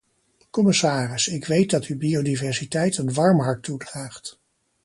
Commissaris, ik weet dat u biodiversiteit een warm hart toedraagt.